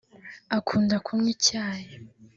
akunda kunywa icyayi